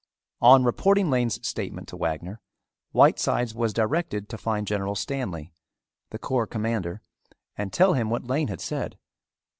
On reporting Lane's statement to Wagner, Whitesides was directed to find General Stanley, the corps commander, and tell him what Lane had said.